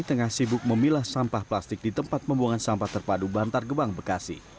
tengah sibuk memilah sampah plastik di tempat pembuangan sampah terpadu bantar gebang bekasi